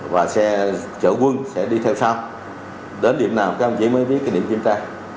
và xe chợ quân sẽ đi theo sau đến điểm nào các đồng chí mới viết kỷ niệm kiểm tra